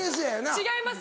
違います。